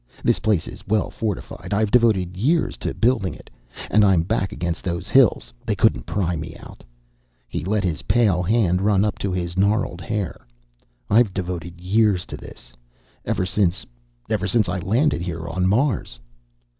This place is well fortified. I've devoted years to building it. And I'm back against those hills. They couldn't pry me out." He let his pale hand run up into his gnarled hair. "I've devoted years to this. Ever since ever since I landed here on Mars."